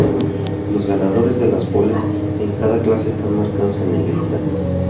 Los ganadores de las poles en cada clase están marcados en negrita.